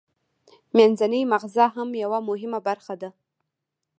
منځنی مغزه هم یوه مهمه برخه ده